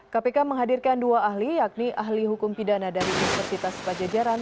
kpk menghadirkan dua ahli yakni ahli hukum pidana dari universitas pajajaran